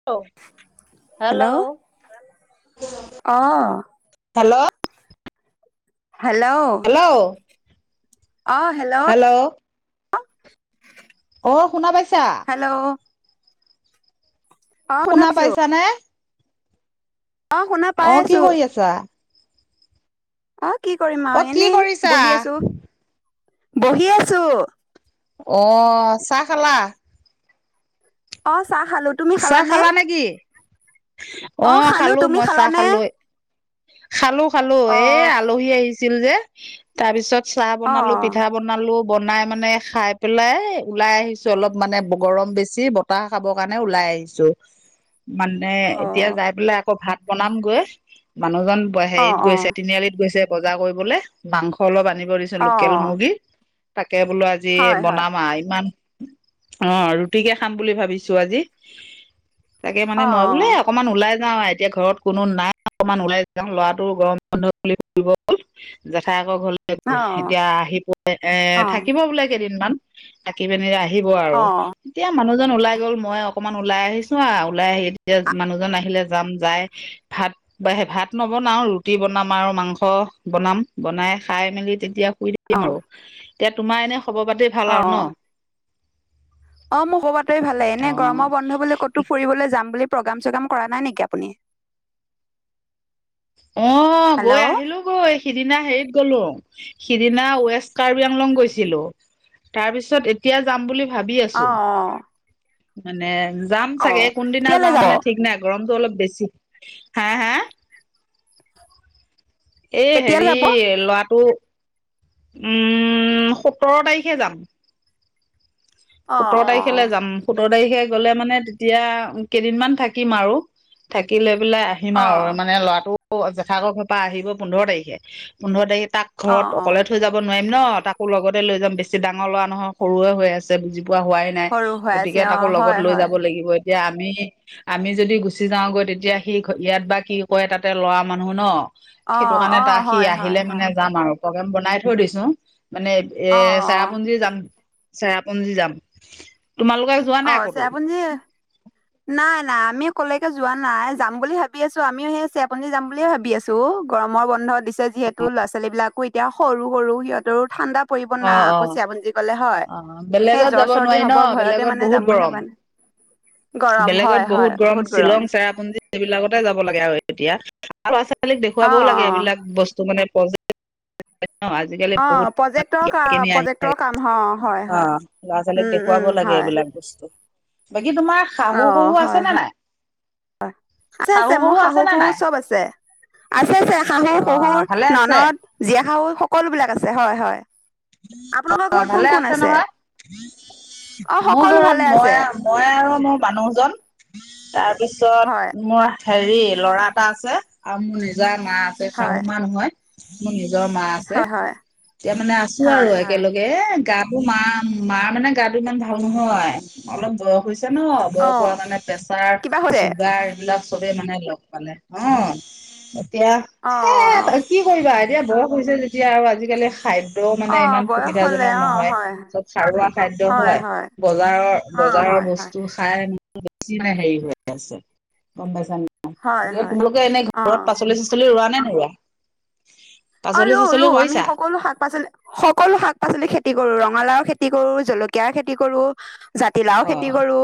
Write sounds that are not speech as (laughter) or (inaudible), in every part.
Hello, hello hello. অ'। Hello. Hello. Hello. অ', hello. Hello. অ', শুনা পাইছা? হেল্ল'। অ শুনা পাইছো পাইছা নে? অ শুনা পাই অ', আছো কি কৰি আছা? অ', কি কৰিম অ আৰু কি এনে কৰিছা বহি আছো, বহি আছো। অ', চাহ খালা? অ', চাহ খালো। তুমি চাহ খালানে খালা নেকি? অ', খালো মই চাহ খালো। খালো খালো, অ এ আলহী আহিছিল যে, তাৰ পিছত চাহ অ বনালো পিঠা বনালো, বনাই মানে খাই পেলাই ওলাই আহিছো অলপ মানে গৰম বেছি বতাহ খাব কাৰণে। মানে ওলাই আহিছোঁ, অ এতিয়া যাই পেলাই আকৌ ভাত বনামগৈ, মানুহজন অ হেৰিত অ গৈছে তিনিআলিত গৈছে। বজাৰ কৰিবলৈ মাংস অলপ আনিব দিছোঁ, অ লোকেল মুৰ্গী তাকে বোলো অ' আজি হয় হয় বনাম আ' ইমান অ', ৰুটিকে খাম বুলি ভাবিছো আজি। তাকে অ মানে মই বোলে এ অ অকণমান ওলাই যাওঁ এতিয়া ঘৰত কোনো নাই, অকণমান ওলাই যাওঁ ল'ৰাটো গৰম বন্ধ (unintelligible) হ'ল জেঠায়েকৰ ঘৰলে অ গ'ল এতিয়া আহি প (unintelligible) এ অ থাকিব বোলে কেইদিনমান থাকি পিনে আ আহিব আৰু, এতিয়া মানুহজন ওলাই গ'ল মই অকণমান ওলাই আহিছোঁ আৰু ওলাই আ যেতিয়া মানুহজন আহিলে যাম যাই ভাত বা ভাত নবনাও ৰুটি বনাম আৰু মাংস বনাম, বনাই খাই মেলি তেতিয়া শুই অ কিম আৰু, অ এতিয়া তোমাৰ এনে খবৰ পাতি ভাল আৰু ন'? অ', মোৰ খবৰটোৱে ভালেই, অ এনে গৰমৰ বন্ধ বুলি ক'তো ফুৰিবলৈ যাম বুলি প্ৰগ্ৰাম চগ্ৰাম কৰা নাই নেকি আপুনি? অ', গৈ হেল্ল' আহিলোঁ। ঐ, সিদিনা হেৰিত গলোঁ, সিদিনা ৱেষ্ট কাৰ্বি আংলং গৈছিলো। তাৰ পিছত এতিয়া যাম বুলি ভাবি অ আছো। অ মানে যাম অ চাগে কোনদিনা কেতিয়ালৈ যাওঁ যাব মানে ঠিক নাই। গৰমটো অলপ বেছি, হা হা এই কেতিয়ালৈ হেৰি যাব ল'ৰাটো উম, সোঁতৰ তাৰিখে যাম। অ সোঁতৰ অ তাৰিখলে যাম। সোঁতৰ তাৰিখে গ'লে মানে তেতিয়া কেইদিনমান থাকিম আৰু, থাকি লৈ পেলাই আহ সিম অ অ আৰু মানে ল'ৰাটো জেঠায়েকৰ ঘৰ পৰা আহিবই পোন্ধৰ, তাৰিখে পোন্ধৰ তাৰিখে তাক অ ঘৰত অ অকলে থৈ যাব নোৱাৰিম ন'। তাকো লগতে লৈ যাম বেছি ডাঙৰ ল'ৰা নহয় সৰুৱে হৈ আছে বুজি পোৱা হোৱাই নাই, সৰু হৈ আছে গতিকে অ তাকো লগত হয় লৈ হয় যাব লাগিব এতিয়া আমি আমি যদি গুচি যাওঁগৈ তেতিয়া সি ইয়াত বা কি কৰে, তাতে ল'ৰা মানুহ ন'। অ সেইটো কাৰণে অ তাক সি হয় হয় আহিলে হয় মানে যাম আৰু। প্ৰগেম বনাই থৈ দিছো মানে, এ অ অ চেৰাপুঞ্জী যাম পুঞ্জি যাম তোমালোকে যোৱা নাই ক'তো? অ'চেৰাপুঞ্জীৰ নাই নাই আমি অ' কলেকে যোৱা নাই যাম বুলি ভাবি আছো, আমিও সেই চেৰাপুঞ্জীৰ যাম বুলিয়েই ভাবি আছো। গৰমৰ বন্ধ দিছে যিহেতু ল'ৰা ছোৱালী বিলাকো এতিয়া সৰু সৰু সিহঁতৰ ঠাণ্ডা। পৰিব অ না অ আকৌ চেৰাপুঞ্জীৰ গ'লে হয় অ সেই বেলেগত জ্বৰ যাব চৰদি নোৱাৰি ন হ'ব ভয়ত। বেলেগত বহুত গৰম। বুলিান গৰম হয়, হয় বহুত গৰম চেৰাপুঞ্জী এইেইবিলাকতে যাব লাগে আৰু এতিয়া। আৰু ল'ৰা ছোৱালীক অ দেখুৱাবও লাগে অ এইবিলাক বস্তু মানে আজিকালি অ', বহুত প্ৰজেক্টৰ কা প্ৰজেক্টৰ কাম হ হয় হয়। অ', 'ৰা ছোৱালীক উম, উম, দেখুৱাব লাগে হয়। এইবিলাক বাকী, তোমাৰ শাহু অ', শহু হয় আছে নে নাই? হয়, আছে আছে মোৰ শাহু শহু চ'ব আছে। আছে আছে শাহু অ শহুৰ ভালে আছে ননদ জীয়া শাহু সকলো বিলাক আছে হয়, হয়। আপোনালোকৰ অ', ঘৰত কোন ভালে কোন আছে নহয়। অ', মোৰ সকলো ঘৰত ভালে আছে। মই মই আৰু মোৰ মানুহজন হয় তাৰপিছত মোৰ হেৰি ল'ৰা এটা আছে আৰু মোৰ নিজা মা আছে হয় শাহু মা নহয়। মোৰ নিজৰ মা আছে হয় হয় এতিয়া মানে আছো আৰু হয় হয়। একেলগে। এ গাটো মাৰ মাৰ মানে গাটো ইমান ভাল নহয় অলপ বয়স হৈছে ন। বয়স অ', হোৱাৰ মানে প্ৰেচাৰ কিবা হৈছে? চুগাৰ এইবিলাক চবে মানে লগ। পালে অ' এতিয়া অ', অ, ' এ অ', কি কৰিবা এতিয়া বয়স হৈছে যেতিয়া আৰু আজিকালি খাদ্য ও মানে অ', ইমান বয়স হ'লে সুবিধাজনক অ', নহয়, হয় চ'ব সাৰুৱা খাদ্য হয় বজাৰৰ অ', বজাৰৰ হয় বস্তু খাই মান বেছি হেৰি হৈ আছে গ'ম পাইছা। হয় হয় এই হয় তোমালোকে এনেই অ'। ঘৰত পাচলি চাচলি ৰুৱা নে নৰুোৱা। অ', ৰু ৰু আমি সকলো শাক পাচলি সকলো শাক পাচলি খেতি কৰো ৰঙালাও খেতি কৰো জলকীয়াৰ খেতি কৰো। জাতিলাও খেতি অ', কৰো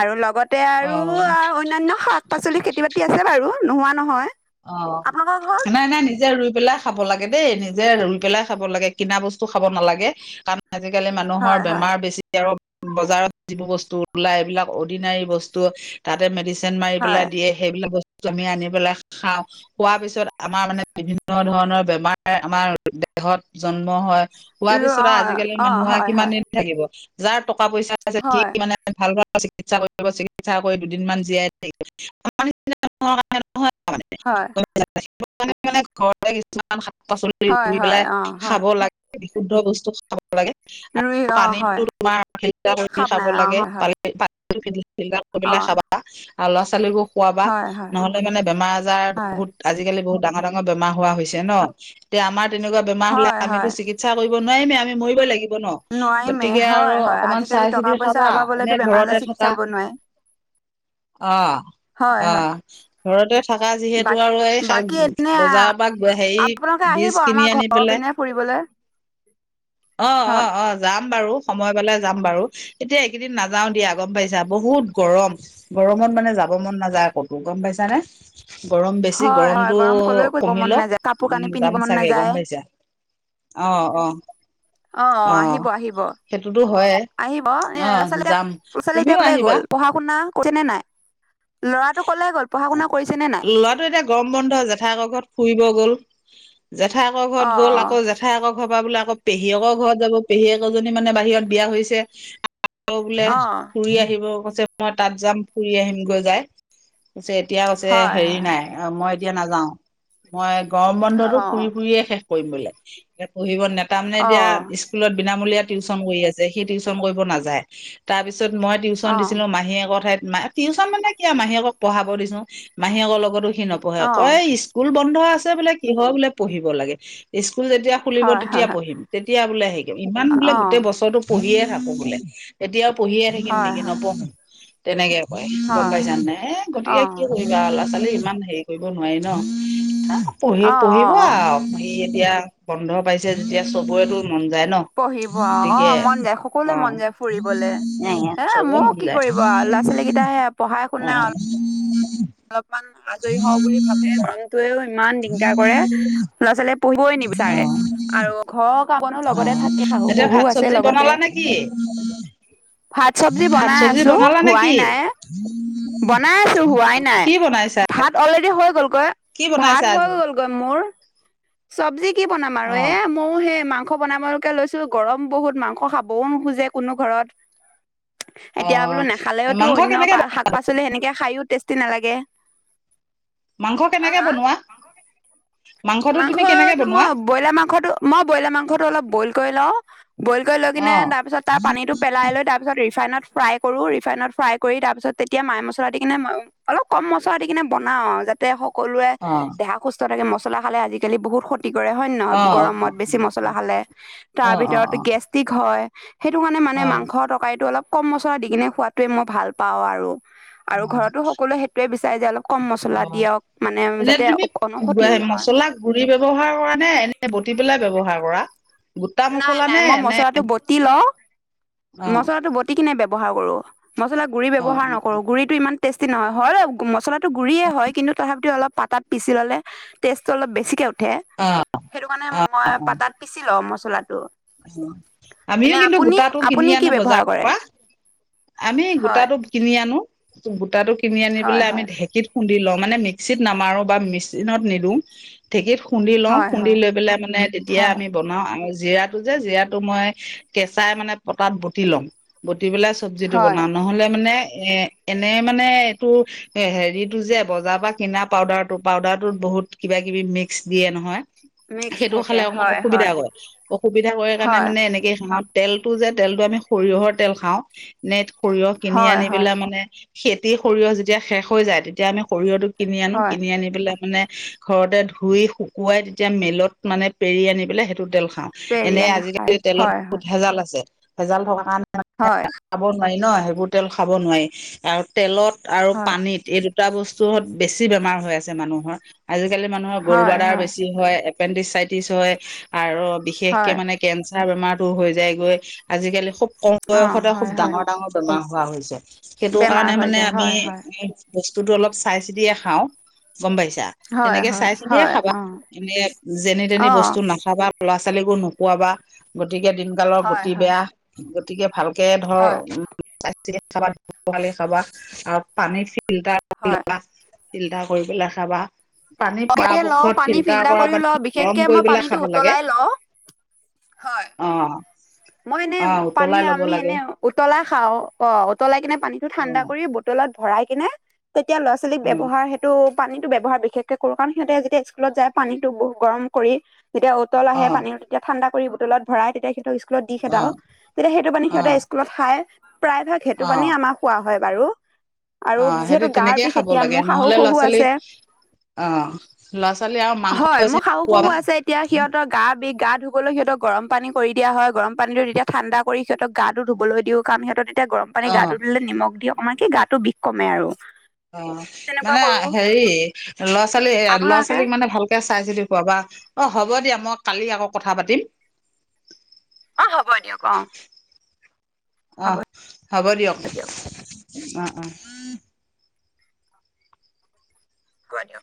আৰু লগতে আৰু অ'। অন্যয়ানয় শাক। পাচলি খেতি বাতি আছে বাৰু, নোহোৱা নহয়। অ', আপোনালোকৰ ন ঘৰত নাই নাই নিজে ৰুই পেলাই খাব লাগে দেই নিজে ৰুই পেলাই খাব লাগে কিনা বস্তু খাব নালাগে কাৰণ আজিকালি মানুহৰ হয় হয় বেমাৰ বেছি। বজাৰত যিবোৰ বস্তু ওলাই এইবিলাক অৰ্ডিনাৰী বস্তু। তাতে মেডিচিন মাৰি পেলাই হয় দিয়ে সেইবিলাক বস্তু আমি আনি পেলাই খাওঁ। হোৱাৰ পিছত আমাৰ মানে বিভিন্ন ধৰণৰ বেমাৰ আমাৰ দেহত জন্ম হয়। হোৱাৰ ৰু পিছত অ আজিকালি অ মানুহৰ হয় হয় কিমানেই থাকিব যাৰ টকা পইচা আছে ঠিক হয় মানে। ভাল ভাল চিকিৎসা কৰিব চিকিৎসা কৰি দুদিনমান জীয়াই থাকিব হয়। হয় হয় অ হয় (inaudible) বিশুদ্ধ বস্তু খাব লাগে, আৰু ৰুই অ পানীো হয় তোমাৰ ফিল্টাৰ কৰি খাব নাই অ লাগে হয় হয় (unintelligible) বেমাৰ অ হয় হয় আজাৰ হয় বহুত আজিকালি বহুত ডাঙৰ ডাঙৰ বেমাৰ হোৱা হৈছে ন এতিয়া আমাৰ তেনেকুৱা বেমাৰ হ'লে হয় আমিতো হয় চিকিৎসা কৰিব নোৱাৰিমে আমি মৰিবই লাগিব ন। নোৱাৰিমেই গতিকে আৰু হয় হয় অকমান আজিকালি চাই টকা চিতি পইচাৰ চাবা অভাৱ হলেতো এনে বেমাৰ আজাৰ ঘৰতে চিকিৎসা থকা কৰিব নোৱাৰি অ', হয় হয় অ', ঘৰতে। থকা বা যিহেতু আৰু এই বাকী এনে আ- বজাৰৰ পৰা হেৰি আপোনালোকে আহিব বীজ আমাৰ খিনি আনি ঘৰৰ পিনে পেলাই (inaudible) অ, হয় ' অ', যাম বাৰু। সময় পালে যাম বাৰু এতিয়া এইকেইদিন নাযাও দিয়া গম পাইছা বহুত গৰম। গৰমত মানে যাব মন নাযায় আকৌতো গম পাইছানে। গৰম বেছি হয় হয় গৰমতটো গৰম কলৈ কৰিব কমি মন লক, নাযায় কাপোৰ কানি যাম পিন্ধিব মন চাগে গম নাযায় পাইছা। অ' অ'। অ', অ', আহিব আহিব। সেইটোতো হয়ে আহিব এ অ', যাম তুমিও (unintelligible) আহিবা গ'ল পঢ়া শুনা (unintelligible) নাই, ল'ৰাটো কলাই গ'ল পঢ়া শুনা কৰিছে নে নাই? লোৱাটো এতিয়া গৰম বন্ধ জেঠাকৰ ঘৰত ফুৰিব গ'ল জেঠা ক অ ঘৰত গ'ল আকৌ জেঠ ঠাই আকৌ ঘৰ পা বোলে আকৌ পেহীয়েকৰ ঘৰত যাব পেহীয়েক এজনী মানে বাহিৰত বিয়া হৈছে। বোলে অ ফুৰি আহিব কৈছে মই তাত যাম ফুৰি আহিম গৈ যাই। এতিয়া কৈছে হয় হেৰি হয় নাই মই এতিয়া নাযাও। মই গৰম অ বন্ধতো ফুৰি ফুৰিয়ে শেষ কৰিম বোলে এ পঢ়িব ন তাৰমানে অ এতিয়া স্কুলত বিনামূলীয়া টিউচন কৰি আছে সেই টিউশচন কৰিব নাযায়। তাৰ পিছত মই টিউচন অ দিছিলো মাহীয়ে একৰ ঠাইত ম টিউশচন মানে এয়া মাহীয়েক পঢ়াব দিছো মাহীয়েকৰ লগতো সি নপঢ়ে অ কয় স্কুল বন্ধ আছে বোলে কিহৰ বোলে পঢ়িব লাগে স্কুল যেতিয়া খুলিব হয় হয় তেতিয়া হয় পঢ়িম তেতিয়া বোলে হেম ইমান বোলে অ গোটেই বছৰো পঢ়িয়ে থাকো বোলে। এতিয়াও পঢ়িয়ে থাকিম হয় নেকি হয় নপঢ়ো তেনেকে কয় গম হয় পাইছান নে, এ অ অ গতিকে কি কৰি কিবা ল'ৰা ছোৱালী ইমান হেৰি কৰিব নোৱাৰি ন পঢ়ি অ অ পঢ়িব আ যেতিয়া বন্ধ পাইছে যেতিয়া চবৰেতো মন যায় ন। পঢ়িব আৰু গতিকে অ' মন যায় অ সকলোৱে মন যায় ফুৰিবলে অ এ চবৰে মোক মন কি যায় কৰিব ল'ৰা ছোৱালী কেইটাইে পঢ়াই শুনাই অল (inaudible) অলপমান আজৰি হওঁ বুলি ভাবে গৰমটয়েও ইমান দিগদাৰ কৰে। ল'ৰা ছোৱালীয়ে পঢ়িবই অ নিবিচাৰে আৰু ঘৰৰ কাপনো অ লগতে থাকে শাহু এতিয়া শহু ভাত আছে চব্জি লগতে। বনালা নে কি ভাত সবজি ভাত বনাই চব্জি আছো বনালা নে হোৱাই কি নাই বনাই আছো হোৱাই নাই কি বনাইছা ভাত অলৰেডি হৈ গ'লগৈ কি ভাত বনাইছা আজি হৈ গ'লগৈ মোৰ। চব্জি কি বনাম আৰু অ এ মই সেই মাংস বনাবলৈকে লৈছো গৰম বহুত মাংস খাবও নোখোজে কোনো ঘৰত। অ এতিয়া বোলো নাখালেওতো মাংস অন্য কেনেকে শাক পাচলি সেনেকে খায়ও টেষ্টি নালাগে। মাংস হা কেনেকে হা বনোৱ? মাংসটো মই ব্ৰইলাৰ মাংসটো মই ব্ৰইলাৰ মাংসটো অলপ বইল কৰি লওঁ বইল কৰি লৈ অ কিনে তাৰপিছত তাৰ পানীটো পেলাই লৈ তাৰ পিছত ৰিফাইনত ফ্ৰাই কৰো ৰিফাইনত ফ্ৰাই কৰি তাৰ পিছত তেতিয়া মাই মছলা দি কিনে অলপ কম মছলা দি কিনে বনাও যাতে সকলোৱে অ দেহা সুস্থ থাকে মছলা খালে আজিকালি বহুত ক্ষত কৰে হয় নে নহয় অ অ অ গৰমত বেছি মছলা খালে অ তাৰ অ ভিতৰত অ গেষ্ট্ৰিক হয়। সেইটো কাৰণে মানে অ', মাংসৰ তৰকাৰীটো অলপ কম মচলা দি কিনে খোৱটোৱে মই ভাল পাওঁ আৰু। আৰু ঘৰতো সকলোৱে সেইটোোৱে বিচাৰে যে অলপ কম মছলা অ', দিয়ক মানে অকণো ক্ষত আহ মছলা গুৰি ব্যৱহাৰ কৰা নে এনে বটি পেলাই ব্যৱহাৰ কৰা? গোটা নাই মছলা নাই নে মই নে মছলাটো বটি লওঁ, অ', মছলাটো বট টি কেনে ব্যৱহাৰ কৰো, মচলা গুৰি অ', ব্যৱহাৰ নকৰো গুৰি ইমান টেষ্টি নহয় হয় মছলাটো গুৰিয়ে হয় কিন্তু তথাপিতিও অলপ পাতাত পিচি ল'লে টেষ্টটো অলপ বেছিকে উঠে সেইটো কাৰণে মই পাতাত পিচি লওঁ মচলাটো। অ আমিও কিন্তু গোটাটো কিনি আপুনি কি আনো বজাৰ ব্যৱহাৰ কৰে আমি হয় গোটাটো কিনি আনো গোটাটো কিনি আনি হয় পেলাই আমি হয় ঢেঁকীত খুন্দি লওঁ মানে মিক্সিত নামাৰো বা মিক্চিনত নিদো। ঢেঁকীত খুন্দি লওঁ হয় খুন্দি হয় লৈ পেলাই মানে তেতিয়া হয় আমি ব আৰু জৰাটো যে জিৰাটো মই কেঁচাই মানে পতাত বটি লম বটি পেলাই চব্জিটো হয় বনাও নহ'লে মানে এ এনে মানে এইটো হেৰিটো যে বজাৰৰ পৰা কিনা পাউদাৰটো পাউদাৰটোত বহুত কিবা-কিবি মিক্স দিয়ে নহয়। মিক্স সেইটো থাকে খালে অকমান হয় অসুবিধা হয় কৰে, অসুবিধা কৰে কাৰণে হয় মানে এনেকে তেলটো যে তেলটো আমি সৰিয়হৰ তেল খাওঁ, নেট সৰিয়হ কিনি হয় আনি হয় পেলাই মানে খেতি সৰিয়হ যেতিয়া শেষ হৈ যায় তেতিয়া আমি সৰিয়হটো কিনি আনো হয় কিনি আনি পেলাই মানে ঘৰতে ধুই শুকুৱাই তেতিয়া মেলত মানে পেৰি আনি পেলাই সেইটো তেল খাওঁ। এনেই বিৰিয়ানী হয় আজিকালি তেলত হয় বহুত হয় ভেজাল আছে ভেজাল থকা কাৰণে হয়। খাব নোৱাৰি ন' সেইবোৰ তেল খাব নোৱাৰি আৰু তেলত আৰু পানীত এই এই দুটা বস্তুত বেছি বেমাৰ হৈ আছে মানুহৰ, আজিকালি মানুহৰ গৰু হয় হয় বাদাৰ হয় বেছি হয়। এ পেণ্ডিচাইটিছ হয় আৰু বিশেষকৈ হয় মানে কেঞ্চাৰ বেমাৰতো হৈ যায়গৈ, আজিকালি খুব কম অ বয়সতে খুব হয় হয় ডাঙৰ বেমাৰ হোৱা হৈছে, সেইটো বেমাৰ কাৰণে হৈ মানে যায় আমি হয় হয় এ বস্তুতটো অলপ চাই চিতিয়ে খাওঁ গম পাইছা। হয় তেনেকে হয় চাই চিনিয়ে হয় খাবা অ এনে যেনে-তেনে অ বস্তু না নখাবা ল'ৰা-ছোৱালী নোখোৱাবা গতিকে দিনকালৰ হয় গতি হয় বেয়া, গতিকে ভাল গতিকে ধৰ, হয় চাই চিন্তি খাবা আৰু পানী ফিল্টাৰকে হয় (unintelligible) ফিল্টাৰ কৰি পেলাই খাবা। পানী বিশেষকে লওঁ পৰাপক্ষত পানী ফিল্টাৰ কৰা কৰিও পানী, লওঁ গৰম বিশেষকে কৰি মই পেলাই পানীটো খাব লাগে। উতলাই লওঁ হয় অহ', অহ'। উতলাই লব লাগে। উতলা খাওঁ অহ, উতলাই কিনে পানীটো অ ঠাণ্ডা কৰি বটলত ভৰাই কিনে তেতিয়া ল'ৰা-ছোৱালীক অ ব্যৱহাৰ সেইটো পানীতটো ব্যয়ৱহাৰ বিশেষকে কৰো কাৰণ সিহঁতে যেতিয়া স্কুলত যায় পানীত বহু গৰম কৰি যেতিয়া উটল অ আহে তেতিয়া ঠাণ্ডা কৰি বটলত ভৰাই তেতিয়া সিহঁতক স্কুল দি অ সেদাওঁ। তেতিয়া সেইটো পানী অ সিহঁতে স্কুলত খাই প্ৰায় ভাগ সেইটো অ পানী আমাৰ খোৱা হয় বাৰু। অ আৰু সেইটো যিহেতু গাৰ তেনেকেই বিষ খাব এতিয়া মো, ৰ শাহু-শহুৰ আছে। অহ, ল'ৰা-ছোৱালী আৰু হয় মাংস মোৰ বেছি শাহু শহু আছে এতিয়া সিহঁতৰ গা বিষ গা ধুবলৈ সিহঁতক গৰম পানী কৰি দিয়া হয়। গৰম পানীটো তেতিয়া ঠাণ্ডা কৰি সিহঁত গা ধবলৈ দিওঁ কাৰণ সিহঁত এতিয়া গৰম পানী অ গাটো ধুই দিলে নিমখ দি অকমান কি গাটোৰ বিষ কমে আৰু। অহ, তেনেকুৱা মানে কৰো হেৰি ল'ৰা-ছোৱালী, এ আপোনালোকে ল'ৰা-ছোৱালীক মানে ভাল তে চাই-ছিতি খুৱাবা অহ, হ'ব দিয়া মই কালি আকৌ কথা পাতিম। অহ, হ'ব দিয়ক অহ। অহ, হ'ব দিয়ক অহ, অহ। হ'ব দিয়ক।